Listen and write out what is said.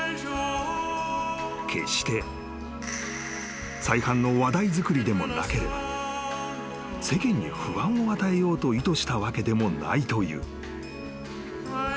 ［決して再販の話題づくりでもなければ世間に不安を与えようと意図したわけでもないという］